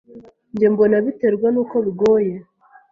Njye mbona biterwa n'uko bigoye